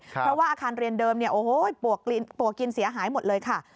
เพราะว่าอาคารเรียนเดิมปวกกินเสียหายหมดเลยค่ะ